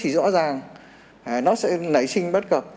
rõ ràng nó sẽ nảy sinh bất cập